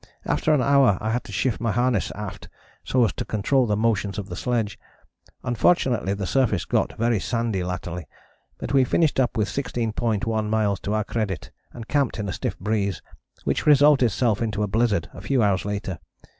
After an hour I had to shift my harness aft so as to control the motions of the sledge. Unfortunately the surface got very sandy latterly, but we finished up with 16.1 miles to our credit and camped in a stiff breeze, which resolved itself into a blizzard a few hours later.